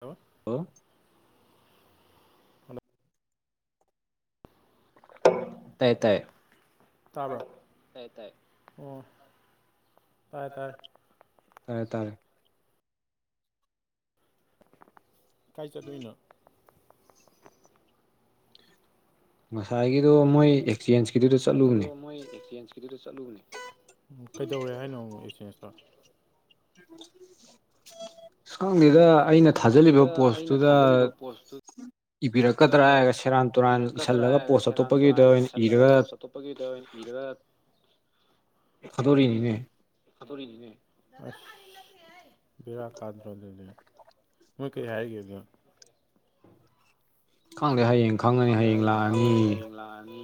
hello ꯍ ꯌꯥꯇꯥꯏ ꯇꯥꯕ꯭ꯔꯣ ꯑꯣ ꯇꯥꯏ ꯇꯥꯏ ꯇꯥꯔꯦ ꯇꯥꯔꯦ ꯀꯥꯏ ꯆꯠꯇꯣꯏꯅꯣ ꯉꯁꯥꯏꯒꯤꯗꯣ ꯃꯣꯏ ꯑꯦꯛꯆꯦꯟꯖꯀꯤꯗꯨꯗ ꯆꯠꯂꯨꯕꯅꯦ ꯑꯦꯛꯆꯦꯟꯖꯀꯤꯗꯨꯗ ꯆꯠꯂꯨꯕꯅꯦ ꯑꯣ ꯀꯩꯗꯧꯔꯦ ꯍꯥꯏꯅꯣ ꯑꯃꯨꯛ ꯑꯦꯛꯆꯦꯟꯖꯇꯣ [unintelligible] ꯁꯨꯛꯈꯪꯗꯗ ꯑꯩꯅ ꯊꯥꯖꯤꯜꯂꯤꯕ ꯄꯣꯁꯇꯨꯗ ꯏꯕꯤꯔꯛꯀꯗ꯭ꯔꯥ ꯍꯥꯏꯔꯒ ꯁꯦꯔꯥꯟ ꯇꯨꯔꯥꯟ ꯏꯁꯜꯂꯒ ꯄꯣꯁ ꯑꯇꯣꯞꯄꯒꯤꯗ ꯑꯣꯏꯅ ꯏꯔꯒ ꯇꯄꯒꯗ ꯏꯔ ꯈꯗꯣꯔꯤꯅꯤꯅꯦ [unintelligible] ꯑꯁ ꯕꯥꯔꯥ ꯀꯥꯗ꯭ꯔꯣ ꯑꯗꯨꯗꯤ ꯃꯣꯏ ꯀꯩ ꯍꯥꯏꯒꯦꯗꯣ ꯈꯪꯗꯦ ꯍꯌꯦꯡ ꯈꯪꯗꯦ ꯍꯌꯦꯡ ꯈꯪꯉꯅꯤ ꯍꯌꯦꯡ ꯂꯥꯛꯑꯅꯤ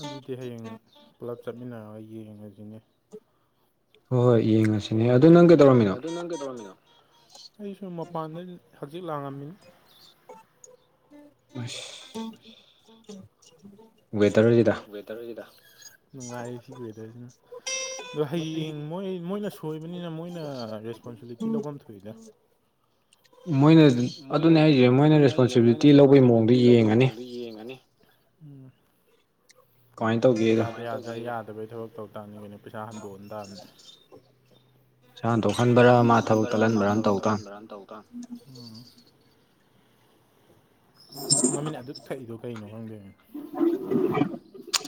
ꯑꯗꯨꯗꯤ ꯍꯌꯦꯡ ꯄꯨꯂꯞ ꯆꯠꯃꯤꯟꯅꯔꯒ ꯌꯦꯡꯉꯁꯤꯅꯦ ꯍꯣꯏ ꯍꯣꯏ ꯌꯦꯡꯉ ꯍꯣꯏ ꯍꯣꯏ ꯌꯦꯡꯉꯨꯁꯤꯅꯦ ꯑꯗꯨꯗꯣ ꯅꯪ ꯀꯩꯗꯧꯔꯝꯃꯤꯅꯣ ꯑꯩꯁꯨ ꯃꯄꯥꯟꯗ ꯍꯧꯖꯤꯛ ꯂꯥꯡꯉꯝꯃꯤꯅ ꯋꯦꯗꯔ ꯑꯣꯏꯗ ꯋꯦꯗꯔꯁꯤꯗ ꯅꯨꯡꯉꯥꯏ ꯁꯤꯒꯤ ꯋꯦꯗꯔꯁꯤꯅ ꯑꯗꯣ ꯍꯌꯦꯡ ꯃꯣꯏ ꯃꯣꯏꯅ ꯁꯣꯏꯕꯅꯤꯅ ꯃꯣꯏꯅ ꯔꯦꯁꯄꯣꯟꯁꯤꯕꯤꯂꯤꯇꯤ ꯂꯧꯐꯝ ꯊꯣꯛꯏꯗ ꯃꯣꯏꯅ ꯑꯗꯨꯅꯦ ꯍꯥꯏꯁꯦ ꯃꯣꯏꯅ ꯔꯦꯁꯄꯣꯟꯁꯤꯕꯤꯂꯤꯇꯤ ꯂꯧꯕꯒꯤ ꯃꯑꯣꯡꯗ ꯌꯦꯡꯉꯅꯤ ꯎꯝ ꯌꯥꯗꯦ ꯌꯥꯗꯦ ꯌꯥꯗꯕꯩ ꯊꯕꯛ ꯇꯧ ꯇꯥꯥꯃꯤ ꯀꯩꯅꯣ ꯄꯩꯁꯥ ꯍꯟꯗꯣꯛꯍꯟ ꯇꯥꯕꯅꯤ ꯆꯥꯗꯣ ꯇꯣꯛꯍꯟꯕ꯭ꯔꯥ ꯃꯥ ꯊꯕꯛ ꯇꯠꯍꯟꯕ꯭ꯔꯥ ꯑꯃ ꯇꯧ ꯇꯥꯕꯅꯤ ꯃꯃꯤꯠ ꯑꯗꯨ ꯊꯛꯏꯗꯣ ꯀꯩꯅꯣ ꯈꯪꯗꯦ [unintelligible]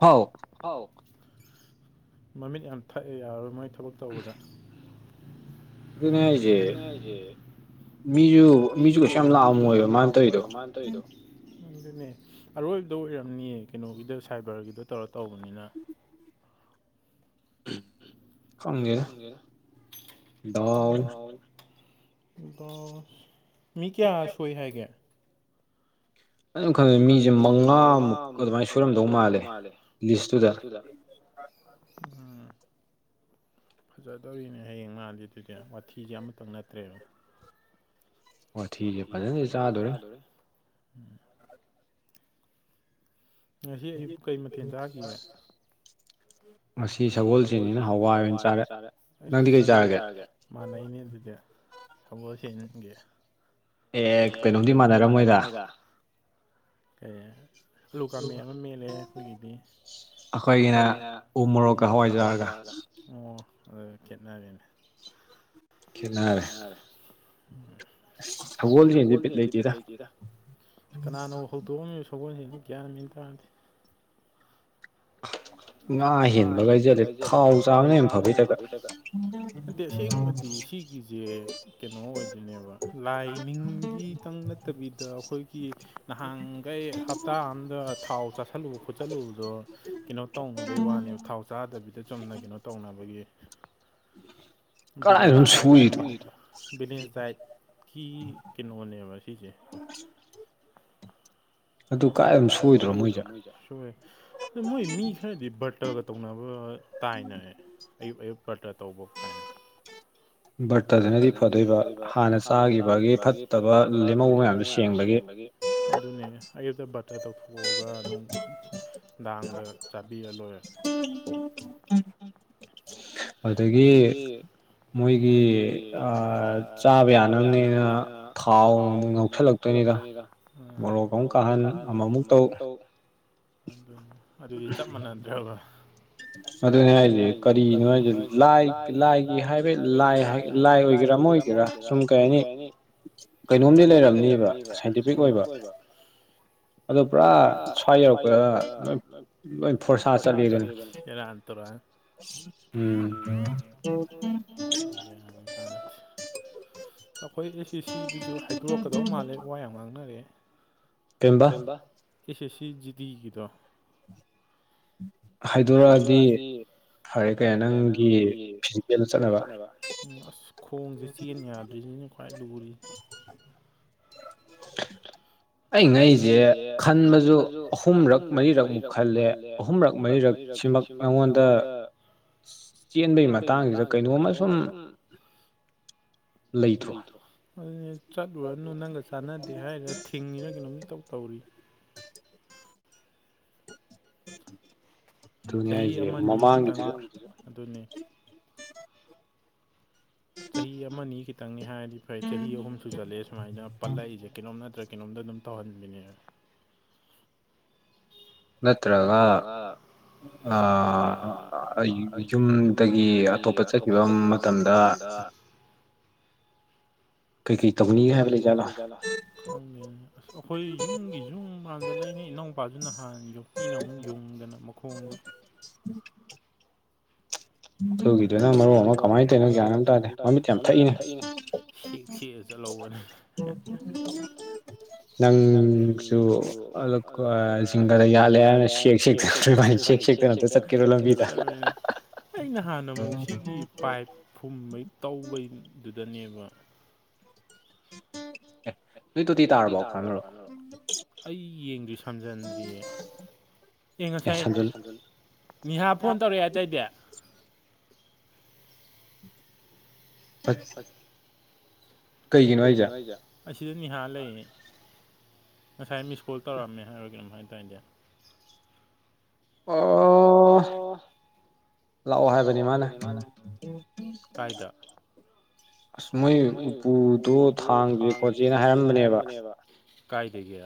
ꯍꯥꯎ ꯑꯥꯎ ꯃꯃꯤꯠ ꯌꯥꯝ ꯊꯛꯑꯦ ꯌꯥꯔꯔꯣꯏ ꯃꯣꯏ ꯊꯕꯛ ꯇꯧꯕꯗ ꯑꯗꯨꯅ ꯍꯥꯏꯁꯦ ꯅꯁꯦ ꯃꯤꯁꯨ ꯃꯤꯁꯨ ꯀꯩꯁꯨ ꯌꯥꯝ ꯂꯥꯛꯑꯝꯃꯣꯏꯕ ꯃꯥꯅ ꯇꯧꯔꯤꯗꯣ ꯑꯗꯨꯅꯦ ꯑꯔꯣꯏꯕꯗ ꯑꯣꯏꯔꯝꯅꯤꯌꯦ ꯀꯩꯅꯣꯒꯤꯗ ꯁꯥꯏꯕꯔꯒꯤꯗ ꯇꯧꯔ ꯇꯧꯕꯅꯤꯅ ꯈꯪꯗꯦꯗ ꯗꯥꯎꯁꯦ ꯑꯗꯣ ꯃꯤ ꯀꯌꯥ ꯁꯣꯏ ꯍꯥꯏꯒꯦ ꯑꯗꯨ ꯈꯪ ꯃꯤꯁꯦ ꯃꯉꯥꯃꯨꯛꯀ ꯑꯗꯨꯃꯥꯏꯅ ꯁꯣꯏꯔꯝꯗꯧ ꯃꯥꯜꯂꯦ ꯂꯤꯁꯇꯨꯗ ꯎꯝ ꯐꯖꯗꯧꯔꯤꯅꯦ ꯍꯌꯦꯡ ꯃꯥꯜꯂꯤ ꯑꯗꯨꯗꯤ ꯋꯥꯊꯤꯁꯦ ꯑꯃꯇꯪ ꯅꯠꯇ꯭ꯔꯦꯕ ꯄꯊꯤꯁꯦ ꯐꯖꯅꯗꯤ ꯆꯥꯗꯣꯔꯦ ꯎꯝ ꯉꯁꯤ ꯑꯌꯨꯛ ꯀꯩ ꯃꯊꯦꯜ ꯇꯥꯈꯤꯒꯦ ꯑ ꯉ ꯁꯒꯣꯜꯁꯤꯡꯁꯤꯅ ꯍꯋꯥꯏ ꯑꯣꯏꯅ ꯆꯥꯔꯦ ꯅꯪꯗꯤ ꯀꯩ ꯆꯥꯔꯒꯦ ꯃꯥꯟꯅꯩꯅꯦ ꯑꯗꯨꯗ ꯊꯕꯛ ꯆꯦꯟꯒꯦ ꯑꯦ ꯑꯦ ꯀꯩꯅꯣꯝꯗꯤ ꯃꯥꯟꯅꯔꯝꯃꯣꯏꯗ ꯑꯦ ꯑꯂꯨꯀꯥ ꯃꯦꯟꯠ ꯑꯃ ꯃꯦꯠꯂꯦ ꯑꯩꯈꯣꯏꯒꯤꯗꯤ ꯑꯩꯈꯣꯏꯒꯤꯅ ꯎ ꯃꯣꯔꯣꯛꯀ ꯍꯋꯥꯏꯖꯥꯔꯒ ꯑꯣ ꯑꯗꯨ ꯈꯦꯠꯅꯔꯤꯅꯦ ꯀꯅꯔꯦ ꯁꯒ‌ꯣꯜꯁ‌ꯦꯟꯖ‌ꯦ ꯄꯤꯠ ꯂꯩꯇ‌ꯦꯗ ꯀꯅꯥꯅꯣ ꯍꯧꯗꯣꯛꯑꯃꯤꯕ ꯁꯒꯣꯜꯁ‌ꯦꯟ ꯒ꯭ꯌꯥꯟ ꯃꯤꯟ ꯇꯥꯗ‌ꯦ ꯉꯥ ꯍꯦꯟꯕꯒꯩꯖꯂꯦ ꯊꯥꯎ ꯆꯥꯕꯅ ꯌꯥꯝꯦ ꯐꯕꯩꯊꯒ ꯅꯠꯇꯦ ꯑꯁꯦꯡꯕꯗꯤ ꯁꯤꯒꯤꯁꯦ ꯀꯩꯅꯣ ꯑꯣꯏꯗꯣꯏꯅꯦꯕ ꯂꯥꯏꯅꯤꯡ ꯒꯤꯇꯪ ꯅꯠꯇꯕꯤꯗ ꯑꯩꯈꯣꯏꯒꯤ ꯅꯍꯥꯟ ꯀꯩ ꯍꯞꯇꯥ ꯑꯝꯗ ꯊꯥꯎ ꯆꯥꯁꯤꯜꯂꯨꯕ ꯈꯣꯠꯆꯜꯂꯨꯕꯗꯣ ꯀꯩꯅꯣ ꯇꯧꯅꯕꯩ ꯋꯥꯅꯦ ꯊꯥꯎ ꯆꯥꯗꯕꯤꯗ ꯆꯨꯝꯅ ꯀꯩꯅꯣ ꯇꯧꯅꯕꯒꯤ ꯕꯦꯂꯦꯟꯁ ꯗꯥꯏꯠ ꯀꯥꯏꯗꯅ‌ꯣꯝ ꯁ‌ꯣꯏꯗ꯭ꯔ‌ꯣ ꯕꯦꯂꯦꯟꯁ ꯗꯥꯏꯠꯀꯤ ꯀꯩꯅꯣꯅꯦꯕ ꯁꯤꯁꯦ ꯑꯗꯨ ꯀꯥꯏ ꯑꯗꯨꯝ ꯁꯣꯏꯗ꯭ꯔꯣ ꯃꯣꯏꯁꯦ ꯑ ꯃꯣꯏ ꯃꯤ ꯈꯔꯗꯤ ꯕꯔꯇꯒ ꯇꯧꯅꯕ ꯇꯥꯏꯅ ꯑꯌꯨꯛ ꯑꯌꯨꯛ ꯄꯇ ꯇꯧꯕ ꯀꯥꯏꯅ ꯕꯔꯇꯗꯅꯗꯤ ꯐꯗꯣꯏꯕ ꯍꯥꯟꯅ ꯆꯥꯈꯤꯕꯒꯤ ꯐꯠꯇꯕ ꯂꯦꯝꯍꯧꯕ ꯃꯌꯥꯝꯁ‌ꯦ ꯁꯦꯡꯕꯒꯤ ꯑꯗꯨꯅꯤꯅꯦ ꯑꯌꯨꯛꯇ ꯕꯇ ꯇꯧꯊꯣꯛꯑꯒ ꯅꯨꯡ ꯅꯨꯡꯗꯥꯡꯗ ꯆꯥꯕꯤꯔ ꯂꯣꯏꯔꯦ [unintelligible] ꯑꯗꯒꯤ ꯃꯣꯏꯒꯤ ꯆꯥꯕ ꯌꯥꯅꯅꯦꯅ ꯊꯥꯎ ꯃꯨꯨꯡ ꯈꯜꯂꯛꯀꯅꯤꯗ ꯃꯣꯔꯣꯛ ꯑꯃꯨꯛ ꯀꯥꯍꯟ ꯑꯃꯃꯨꯛ ꯇꯧ ꯑꯗꯨ ꯑꯗꯨꯗꯤ ꯆꯞ ꯃꯥꯟꯅꯗ꯭ꯔꯦꯕ ꯑꯗꯨꯅ‌ꯦ ꯍꯥꯏꯖ‌ꯦ ꯀꯔꯤ ꯂꯥꯏꯒꯤ ꯍꯥꯏꯕ ꯂꯥꯏ ꯑꯣꯏꯒꯦꯔꯥ ꯑꯃ ꯑꯣꯏꯒꯦꯔꯥ ꯁꯨꯝ ꯀꯩ ꯍꯥꯏꯅꯤ ꯀꯩꯅꯣꯝꯗꯤ ꯂꯩꯔꯝꯅꯦꯕ ꯁꯥꯏꯟꯇꯤꯐꯤꯛ ꯑꯣꯏꯕ ꯑꯗꯨ ꯄꯨꯔꯥ ꯁ꯭ꯋꯥꯏ ꯌꯧꯔꯛꯄꯗ ꯂꯣꯏ ꯐꯣꯔꯁꯥ ꯆꯠꯂꯤꯗꯅ ꯌꯥꯔ ꯇꯔꯣ [inaudible] [inaudible] ꯑꯩꯈꯣꯏ ꯑꯁꯤ ꯁꯤꯗꯨꯁꯨ ꯍꯥꯏꯗꯣꯔꯛꯀꯗꯧ ꯃꯥꯜꯂꯦ ꯋꯥ ꯌꯥꯝ ꯉꯥꯡꯅꯔꯦ ꯄꯦꯝꯨꯝꯕ ꯑꯦꯁ ꯑ‌ꯦꯁ ꯁꯤ ꯖꯤꯗꯤꯒꯤꯗꯣ ꯍꯥꯏꯗꯔꯛꯑꯗꯤ ꯐꯔꯦ ꯀꯩ ꯅꯪꯒꯤ ꯐꯤꯖꯤꯀꯦꯜꯗ ꯆꯠꯅꯕ ꯑꯁ ꯈꯣꯡꯁꯦ ꯆꯦꯟ ꯌꯥꯗ꯭ꯔꯤꯁꯤꯅ ꯈ꯭ꯋꯥꯏ ꯂꯨꯔꯤ [inaudible] [inaudible] ꯑꯩ ꯉꯩꯁꯦ ꯈꯟꯕꯁꯨ ꯑꯍꯨꯝꯔꯛ ꯃꯔꯤꯔꯛꯃꯨꯛ ꯈꯜꯂꯦ ꯑꯍꯨꯝꯔꯛ ꯃꯔꯤꯔꯛ ꯁꯤꯃꯛ ꯅꯉꯣꯟꯗ ꯇꯦꯟꯕꯒꯤ ꯃꯇꯥꯡꯁꯤꯗ ꯀꯩꯅꯣꯝꯃ ꯁꯨꯝ ꯂꯩ꯭ꯔꯣ ꯑꯗꯨꯅꯦ ꯆꯠꯂꯨꯔꯅꯨ ꯅꯪꯒ ꯆꯥꯟꯅꯗꯦ ꯍꯥꯏꯔꯒ ꯊꯤꯡꯉꯤꯅ ꯀꯩꯅꯣꯝ ꯇꯧ ꯇꯧꯔꯤ ꯆꯍꯤ ꯑꯃꯅꯤ ꯈꯤꯇ ꯃꯃꯥꯡ ꯑꯗꯨꯅꯤ ꯆꯍꯤ ꯑꯃꯅꯤ ꯈꯤꯇꯪꯅꯤ ꯍꯥꯏꯔꯗꯤ ꯐꯩ ꯆꯍꯤ ꯑꯍꯨꯝꯁꯨ ꯇꯜꯂꯤꯍ‌ꯦ ꯁꯨꯃꯥꯏꯅ ꯄꯜꯂꯛꯏꯁꯦ ꯀꯩꯅꯣꯝ ꯅꯠꯇ꯭ꯔ ꯀꯩꯅꯣꯝꯗ ꯑꯗꯨꯝ ꯇꯧꯍꯟꯕꯤꯅꯦꯕ ꯅꯠꯇ꯭ꯔꯒ ꯌꯨꯝꯗꯒꯤ ꯑꯇꯣꯞꯄ ꯆꯠꯈꯤꯕ ꯃꯇꯝꯗ ꯀꯩꯀꯩ ꯇꯧꯅꯤꯒ ꯍꯥꯏꯕ ꯂꯩꯖꯥꯠꯂꯥ ꯈꯪꯗ‌ꯦ ꯑꯁ ꯑꯩꯈꯣꯏ ꯌꯨꯝꯒꯤ ꯌꯨꯝ ꯃꯥꯟꯗ ꯂꯩꯅꯤ ꯏꯅꯧꯄꯥꯁꯤꯅ ꯍꯥꯟ ꯌꯨꯝ ꯏꯅ ꯑꯃꯨꯛ ꯌꯨꯡꯗꯅ ꯃꯈꯣꯡꯗ‌ꯣ ꯁꯨꯒꯤꯗ ꯅꯪ ꯃꯔꯨ ꯑꯃ ꯀꯃꯥꯏꯅ ꯇꯧꯔꯤꯅꯣ ꯌꯥꯅꯪ ꯇꯥꯔꯗꯤ ꯃꯃꯤꯠ ꯌꯥꯝ ꯊꯛꯏꯅꯦ ꯁ‌ꯦꯛ ꯁ‌ꯦꯛꯑ ꯆꯠꯍꯧꯕꯅꯦ ꯅꯪꯁꯨꯤꯡꯒꯔ ꯌꯥꯜꯂꯦ ꯍꯥꯏꯅ ꯁꯦꯛ ꯁꯦꯛ [unintelligible] ꯍꯥꯟꯅ ꯑꯃꯨꯛ ꯁꯤꯒꯤ ꯄꯥꯏꯞ ꯐꯨꯝꯕꯩ ꯇꯧꯕꯩꯗꯨꯗꯅꯦꯕ ꯎ ꯅ‌ꯣꯏ ꯇ‌ꯣꯇꯤ ꯇꯥꯔꯕꯣ ꯈ꯭ꯋꯥꯏ ꯃꯔꯨ ꯑꯩ ꯌꯦꯡꯗ꯭ꯔꯤ ꯁꯝꯖꯟꯗ꯭ꯔꯤꯌꯦ ꯌꯦꯡ ꯉꯁꯥꯏ ꯅꯤꯍꯥ ꯐꯣꯟ ꯇꯧꯔꯛꯑꯦ ꯑꯇꯩꯗꯤ ꯑ ꯀꯩꯒꯤꯅꯣ ꯍꯥꯏꯖ‌ꯦ ꯑꯁꯤꯗ ꯅꯅꯤꯍꯥ ꯂꯩꯌꯦ ꯉꯁꯥꯏ ꯃꯤꯁ ꯀꯣꯜ ꯇꯧꯔꯛꯑꯝꯃꯦ ꯍꯥꯏꯔ ꯀꯩꯅꯝ ꯍꯥꯏꯇꯥꯔꯅꯦ ꯑꯣ ꯂꯥꯛꯑꯣ ꯍꯥꯏꯕꯅꯤ ꯃꯥꯅ ꯀꯥꯏꯗ ꯑꯁ ꯃꯣꯏ ꯎꯄꯨꯗꯣ ꯊꯥꯡꯒꯦ ꯈꯣꯠꯆꯦꯅ ꯍꯥꯏꯔꯝꯕꯅꯦꯕ ꯀꯥꯏꯗꯒꯤ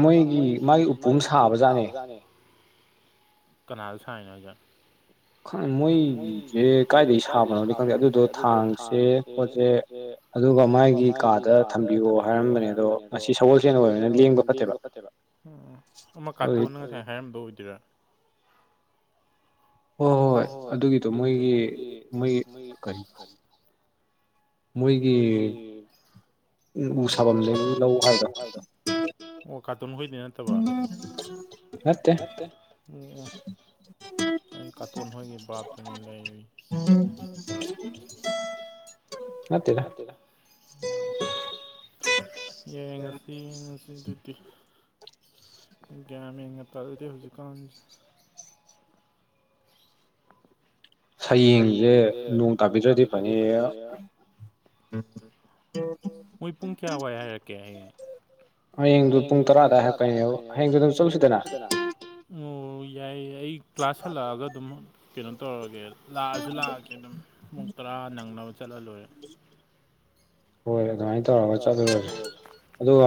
ꯃꯣꯏꯒꯤ ꯃꯥꯒꯤ ꯎꯄꯨ ꯑꯃ ꯁꯥꯕꯖꯥꯠꯅꯦ ꯀꯅꯥꯗ ꯁꯥꯏꯅ‌ꯣ ꯍꯥꯏꯖ‌ꯦ ꯪ ꯃꯣꯏꯁꯦ ꯀꯥꯏꯗꯩ ꯁꯥꯕꯅꯣꯗꯤ ꯈꯪꯗꯦ ꯑꯗꯨꯗꯣ ꯊꯥꯡꯁꯦ ꯄꯣꯠꯁꯦ ꯑꯗꯨꯒ ꯃꯥꯒꯤ ꯀꯥꯗ ꯊꯝꯕꯤꯌꯣ ꯍꯥꯏꯔꯝꯕꯅꯦ ꯑꯗꯣ ꯃꯁꯤ ꯁꯒꯣꯜꯁꯦꯟ ꯑꯣꯏꯔꯅ ꯂꯦꯡꯕ ꯐꯠꯇꯦꯕ ꯎꯝ ꯑꯃ ꯀꯥꯠꯇꯣꯅ ꯉꯁꯥꯏ ꯍꯥꯏꯔꯝꯗ ꯑꯣꯏꯗꯣꯏꯔꯥ ꯍꯣꯏ ꯍꯣꯏ ꯍꯣꯏ ꯑꯗꯨꯒꯤꯗꯣ ꯃꯣꯏꯒꯤ ꯃꯣꯏꯒꯤ ꯀ ꯃꯣꯏꯒꯤ ꯎ ꯁꯥꯐꯝꯗꯒꯤ ꯂꯧ ꯍꯥꯏꯗꫭ ꯑꯣ ꯀꯥꯔꯇꯨꯣꯟ ꯍꫭꯏꯗꯒꯤ ꯅꯠꯇꯕ ꯅꯠꯇ‌ꯦ [unintelligible] ꯑꯩ ꯀꯥꯇꯣꯟ ꯍ‌ꯣꯏꯒꯤ ꯚꯥꯞ ꯇꯅꯤ ꯂꯩꯔꯤꯖ‌ꯦ [unintelligible] ꯅꯠꯇꯦꯗꯥ ꯑꫭ ꯌꯦꯡꯉꯁꯤ ꯌꯦꯡꯉꯁꯤ ꯑꯗꯨꯗꯤ ꯒ꯭ꯌꯥꯟ ꯃ‌ꯦꯟꯒ ꯇꯥꯖꯗ‌ꯦ ꯍꯧꯖꯤꯛꯀꯥꯟꯁꯦ ꯍꯌꯦꯡꯁꯦ ꯅꯣꯡ ꯇꯥꯕꯤꯗ꯭ꯔꯗꯤ ꯐꯅꯤꯌꯦ ꯃꯣꯏ ꯄꯨꯡ ꯀꯌꯥ ꯋꯥꯏ ꯍꯥꯏꯔꯛꯀꯦ ꯍꯌꯦꯡ ꯍꯌꯦꯡꯗꯨ ꯄꯨꯡ ꯇꯔꯥꯗꯥꯏ ꯍꯥꯏꯞꯄꯅꯤꯅꯦ ꯍꯌꯦꯡꯗꫭ ꯅꯪꯁꯨ ꯆꯠꯂꯨꯁꯤꯗꯅ ꯑꯣ ꯌꯥꯏꯌꯦ ꯑꯩ ꯀ꯭ꯂꯥꯁ ꯍꯜꯂꯛꯑꯒ ꯑꯗꯨꯝ ꯀꯩꯅꯣ ꯇꯧꯔꯒꯦ ꯂꯥꯛꯑꯁꯨ ꯂꯥꯛꯑꯒꯦ ꯑꯗꯨꯝ ꯄꯨꯛ ꯇꯔꯥ ꯅꯪꯅꯕ ꯆꯠꯂ ꯂꯣꯏꯔꯦ ꯍꯣꯏ ꯑꯗꯨꯃꯥꯏꯅ ꯇꯧꯔꯒ ꯆꯠꯂꯨꯔꯖꯤ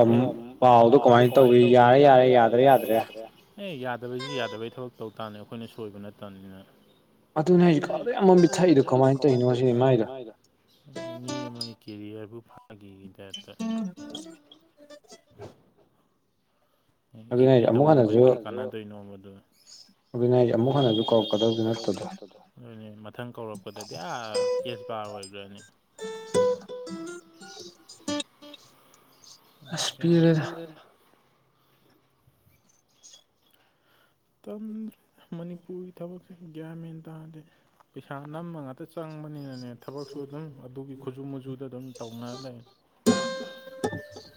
ꯑꯗꯨꯒ ꯑꯃꯨꯛ ꯄꯥꯎꯗꯣ ꯀꯃꯥꯏꯅ ꯇꯧꯔꯤ ꯌꯥꯔꯦ ꯌꯥꯔꯦ ꯌꯥꯗ꯭ꯔꯦ ꯌꯥꯗ꯭ꯔꯦ ꯑꯦ ꯌꯥꯗꯕꯩꯁꯨ ꯌꯥꯗꯕꯩ ꯊꯕꯛ ꯇꯧꯇꯥꯥꯅꯦ ꯑꯩꯈꯣꯏꯅ ꯁꯣꯏꯕ ꯅꯠꯇꯕꯅꯤꯅ ꯑꯗꯨꯅ ꯑꯩꯁꯨ ꯀꯩꯗ ꯑꯃ ꯃꯃꯤꯠ ꯊꯛꯏꯗꯣ ꯀꯃꯥꯏꯅ ꯇꯧꯔꯤꯅꯣꯁꯤꯅꯤ ꯃꯥꯏꯗꫭ ꯃꯤ ꯑꯃꯒꯤ ꯀꯦꯔꯤꯌꯔꯕꯨ ꯐꯥꯒꯤꯒꯤ ꯗꯥꯏꯞꯇ [inaudible] ꯑꯦꯒ꯭ꯔꯤ ꯇꯥꯝꯃꯨꯕꯒꯤ ꯀꯩ ꯀꯥꯟꯅꯗꯣꯏꯅꯣ ꯃꯗꯨ ꯑꯗꯨꯅꯦ ꯍꯥꯏꯁꯦ ꯑꯃꯨꯛ ꯍꯟꯅꯁꯨ ꯀꯧꯀꯗꯧꯕꯁꯨ ꯅꯠꯇꯕꯗꯣ ꯑꯗꯨꯅꯦ ꯃꯊꯪ ꯀꯧꯔꯛꯄꯗꯗꯤ ꯑꯥ ꯑꯦꯁ ꯕꯥꯔ ꯑꯣꯏꯒ꯭ꯔꯅꯤ [unintelligible] ꯑꯁ ꯄꯤꯔꯦꯗꯥ ꯇꯝ ꯃꯅꯤꯄꯨꯔꯒꯤ ꯊꯕꯛꯁꯦ ꯒ꯭ꯌꯥꯟ ꯃꯦꯟ ꯇꯥꯗ‌ꯦ ꯄꯩꯁꯥ ꯅꯝꯕ ꯉꯥꯛꯇ ꯆꯪꯕꯅꯤꯅꯅꯦ ꯊꯕꯛꯁꯨ ꯑꯗꯨꯝ ꯑꯗꯨꯒꯤ ꯈꯨꯖꯨ ꯃꯨꯖꯨꯗ ꯑꯗꯨꯝ ꯇꯧꯅ ꯂꯩ [inaudible]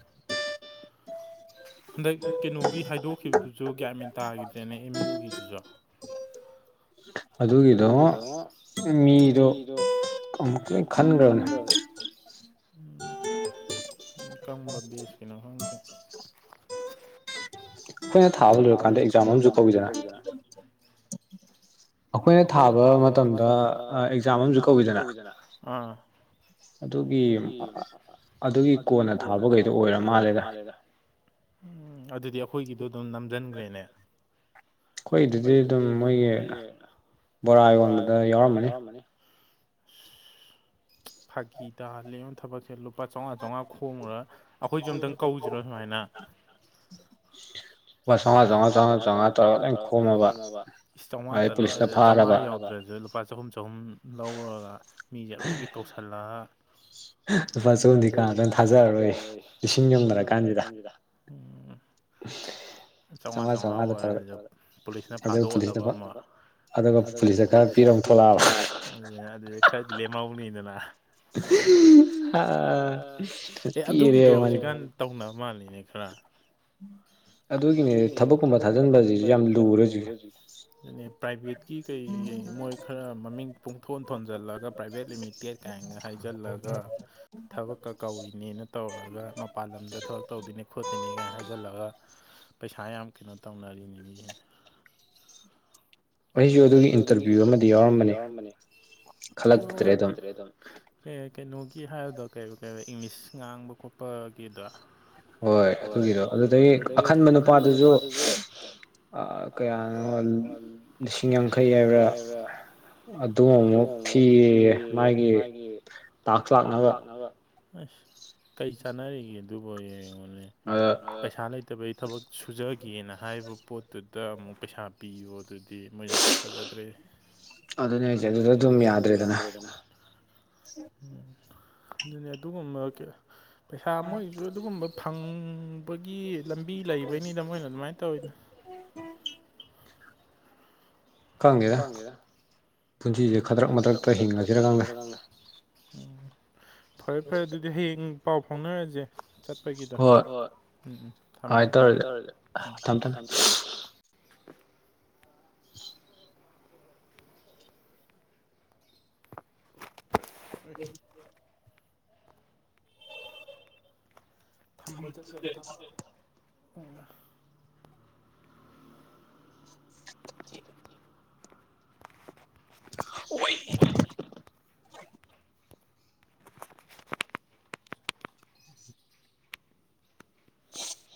ꯍꯟꯗꯛ ꯀꯩꯅꯣꯒꯤ ꯍꯥꯏꯗꯣꯛꯈꯤꯕꯗꯨꯁꯨ ꯒ꯭ꯌꯥꯟ ꯃꯦꯟ ꯇꯥꯈꯤꯗ꯭ꯔꯦꯅꯦ ꯑꯦꯝ ꯌꯨꯒꯤꯗꯨꯁꯨ ꯑꯗꯨꯒꯤꯗꯣ ꯃꯤꯗꯣ [unintelligible] ꯑꯃꯨꯛꯀ ꯍꯦꯟꯅ ꯈꯟꯈꯔꯕꯅ‌ꯦ ꯎꯝ ꯀꯝꯕ ꯕꯦꯁ ꯀꯤꯅꯣ ꯈꯪꯗꯔꯦ ꯑꯩꯈꯣꯏꯅ ꯊꯥꯕ ꯂꯣꯏꯔꯀꯥꯟꯗ ꯑꯦꯛꯖꯥꯝ ꯑꯃꯁꯨ ꯀꯧꯏꯗꯅ [unintelligible] ꯑꯩꯈꯣꯏꯅ ꯊꯥꯕ ꯃꯇꯝꯗ ꯑꯦꯛꯖꯥꯝ ꯑꯃꯥꯁꯨ ꯀꯧꯋꯤꯗꯅ ꯎ ꯑꯗꯨꯒꯤ ꯑꯗꯨꯒꯤ ꯀꯣꯟꯅ ꯊꯥꯕꯈꯩꯗꯣ ꯑꯣꯏꯔ ꯃꯥꯜꯂꯦꯗ ꯎꯝ ꯑꯗꯨꯗꯤ ꯑꯩꯈꯣꯏꯒꯤꯗꯣ ꯑꯗꯨꯝ ꯅꯝꯁꯤꯟꯈ꯭ꯔꯦꯅꯦ ꯑꯩꯈꯣꯏ ꯑꯗꯨꯗꯤ ꯑꯗꯨꯝ ꯃꯣꯏꯒꯤ ꯕꯣꯔꯥ ꯌꯣꯟꯕꯗ ꯌꯥꯎꯔꯝꯃꯅꯤ ꯑꯁ ꯐꯥꯒꯤ ꯇꯥꯍꯜꯂꯤꯉꯦ ꯊꯕꯛꯁꯦ ꯂꯨꯄꯥ ꯆꯥꯝꯃꯉꯥ ꯆꯥꯝꯃꯉꯥ ꯈꯣꯡꯉꯨꯔꯒꯥ [unintelligible] ꯂꯨꯄꯥ ꯆꯥꯝꯃꯉꯥ ꯆꯥꯝꯃꯉꯥ ꯆꯥ ꯆꯥꯝꯉꯥ ꯆꯥꯝꯃꯉꯥ ꯇꯧꯔꯒꯥ ꯂꯣꯏ ꯈꯣꯝꯃꯕ ꯏꯁ ꯆꯥꯝꯃꯉꯥ ꯂꯣꯏ ꯆꯥꯝꯉꯥ ꯌꯥꯎꯗꯔꯁꯨ ꯂꯨꯄꯥ ꯆꯍꯨꯝ ꯆꯍꯨꯝ ꯂꯧꯔꯒ ꯃꯤꯁꯦ ꯑꯔꫭꯏꯕꯤ ꯀꯧꯁꯤꯜꯂꯒ ꯂꯨꯄꯥ ꯆꯥꯍꯨꯝꯗꯤ ꯀꯥꯗꯪ ꯊꯥꯖꯔꯔꯣꯏ ꯂꯤꯁꯤꯡ ꯌꯧꯅꯔ ꯀꯥꯟꯁꯤꯗ [unintelligible] ꯆꯥꯝꯃꯉꯥ ꯆꯥꯝꯃꯉꯥ ꯑꯣꯏꯔꯦ ꯄꯨꯂꯤꯁꯅ ꯐꯥꯗꯣꯛ ꯍꯥꯟꯂꯕ ꯑꯃꯨꯛ ꯑꯗꯨꯒꯥ ꯄꯨꯂꯤꯁꯇꯥ ꯈꯔ ꯄꯤꯔ ꯊꫭꯛꯂꯥꯛꯑꯕ ꯑꯗꯨꯅ ꯑꯗꯨꯗꯒꯤ ꯈꯔꯗꯤ ꯂꯦꯝꯍꯧꯅꯤꯗꯅ ꯑꯦ ꯑꯗꯨꯒꯤꯗꯣ ꯍꯧꯖꯤꯛꯀꯥꯟ ꯇꯧꯅꯕ ꯃꯥꯜꯂꯤꯅꯦ ꯈꯔ ꯑꯗꯨꯒꯤꯅꯦ ꯊꯕꯛꯀꯨꯝꯕ ꯊꯥꯖꯤꯟꯕꯁꯤꯁꯨ ꯌꯥꯝ ꯂꯨꯔ ꯍꯧꯖꯤꯛꯁꯦ ꯑꯗꯨꯅꯦ ꯄ꯭ꯔꯥꯏꯚꯦꯠꯀꯤ ꯀꯩꯒꯤ ꯃꯣꯏ ꯈꯔ ꯃꯃꯤꯡ ꯄꯨꯡꯊꯣꯟ ꯊꯣꯟꯖꯤꯜꯂꯒ ꯄ꯭ꯔꯥꯏꯚꯦꯠ ꯂꯤꯃꯤꯇꯦꯠ ꯀꯥꯏꯅ ꯍꯥꯏꯖꯤꯜꯂꯒ ꯊꯕꯛꯀ ꯀꯧꯔꯤꯅꯦꯅ ꯇꯧꯔꯒ ꯃꯄꯥꯟ ꯂꯝꯗ ꯊꯕꯛ ꯇꯧꯗꯣꯏꯅꯦ ꯈꯣꯠꯇꯣꯏꯅꯦꯒꯥꯏꯅ ꯍꯥꯏꯖꯤꯜꯂꯒ ꯄꯩꯁꯥ ꯌꯥꯝ ꯀꯩꯅꯣ ꯇꯧꯅꯔꯤꯅꯦꯃꯤ ꯑꯩꯁꯨ ꯑꯗꯨꯒꯤ ꯏꯟꯇꯔꯚꯤꯌꯨ ꯑꯃꯗꯤ ꯌꯥꯎꯔꯝꯕꯅꯤ ꯈꯜꯂꯛꯗ꯭ꯔꯦ ꯑꯗꯨꯝ ꯑꯦ ꯀꯩꯅꯣꯒꯤ ꯍꯥꯏꯕꯗꯣ ꯀꯩꯕ ꯀꯩꯕ ꯏꯪꯂꯤꯁ ꯉꯥꯡꯕ ꯈꯣꯠꯄꯒꯤꯗ ꯍꯣꯏ ꯑꯗꯨꯒꯤꯗꯣ ꯑꯗꯨꯗꯒꯤ ꯑꯈꯟꯕ ꯅꯨꯄꯥꯗꯨꯁꯨ ꯑꯥ ꯀꯌꯥ ꯂꯤꯁꯤꯡ ꯌꯥꯡꯈꯩ ꯍꯥꯏꯕ꯭ꯔ ꯑꯗꯨ ꯑꯃꯨꯛ ꯊꯤꯌꯦꯌꯦ ꯃꯥꯒꯤ ꯇꯥꯛ꯭ꯁ ꯂꯥꯛꯅꯕ ꯑꯁ ꯀꯩ ꯆꯥꯟꯅꯔꯤꯒꯦ ꯑꯗꯨꯕꯣ ꯌꯦꯡꯉꯣ ꯑꯥ ꯄꯩꯁꯥ ꯂꯩ ꯇꯕꯩ ꯊꯕꯛ ꯁꯨꯖꯒꯦꯅ ꯍꯥꯏꯕ ꯄꯣꯠꯇꯨꯗ ꯑꯃꯨꯛ ꯄꯩꯁꯥ ꯄꯤꯌꯣ ꯑꯗꯨꯗꯤ ꯗꯤ ꯃꯣꯏ ꯐꯖꯗ꯭ꯔꯦ ꯑꯗꯨꯅ ꯑꯗꯨꯗ ꯑꯗꯨꯝ ꯌꯥꯗ꯭ꯔꯦꯗꯅ ꯎꯝ ꯑꯗꯨꯅꯦ ꯑꯗꯨꯒꯨꯝꯕ ꯀꯩ ꯄꯩꯁꯥ ꯃꯣꯏꯒꯤꯁꯨ ꯑꯗꯨꯒꯨꯝꯕ ꯐꯪꯕꯒꯤ ꯂꯝꯕꯤ ꯂꯩꯕꯩꯅꯤꯗ ꯃꯣꯏꯅ ꯑꯗꯨꯃꯥꯏꯅ ꯇꯧꯋꯤꯗꯨ ꯈꯪꯗꯦꯗ ꯄꯨꯟꯁꯤꯁꯦ ꯈꯗꯔꯛ ꯃꯗ꯭ꯔꯛꯇ ꯍꯤꯡꯉꯁꯤꯔ ꯈꯪꯗꯦ ꯎꯝ ꯐꯔꯦ ꯐꯔꯦ ꯑꯗꯨꯗꯤ ꯍꯌꯦꯡ ꯄꯥꯎ ꯐꯥꯎꯅꯔꯁꯦ ꯆꯠꯄꯒꯤꯗꯣ ꯍꯣꯏ ꯎꯝ ꯎꯝ ꯊꯝ ꯊꯝ ꯇꯧꯔꯒꯦ ꯎꯝ ꯊꯝ ꯊꯝ ꯑꯝ ꯊꯝꯕ ꯆꯠꯄ [unintelligible] ꯑꯣꯏ [unintelligible]